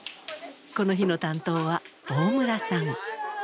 この日の担当は大村さん。